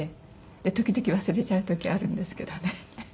時々忘れちゃう時あるんですけどね。